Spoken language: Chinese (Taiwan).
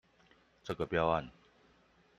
這個標案